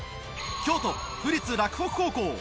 京都府立洛北高校。